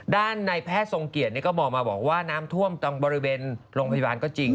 ด้านในแพทย์ทรงเกียจก็บอกมาบอกว่าน้ำท่วมตรงบริเวณโรงพยาบาลก็จริง